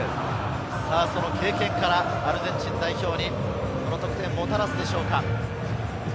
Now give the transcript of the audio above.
経験からアルゼンチン代表に得点をもたらすでしょうか。